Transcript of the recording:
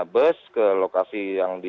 bus ke lokasi yang di